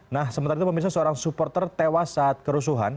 nah sementara itu pemirsa seorang supporter tewas saat kerusuhan